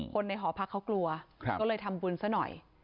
ในหอพักเขากลัวก็เลยทำบุญซะหน่อย